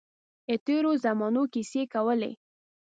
د تېرو زمانو کیسې کولې.